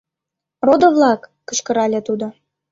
— Родо-влак! — кычкырале тудо.